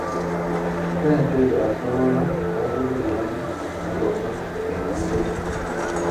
Ssente ezo asobola okuzigulamu mmotoka eyiye.